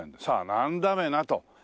さあなんだべなと。